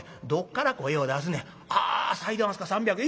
「あさいでおますか３００。